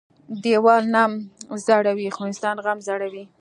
ـ ديوال نم زړوى خو انسان غم زړوى.